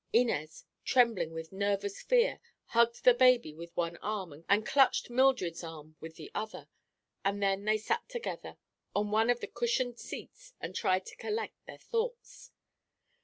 Inez, trembling with nervous fear, hugged the baby with one arm and clutched Mildred's arm with the other, and then they sat together on one of the cushioned seats and tried to collect their thoughts.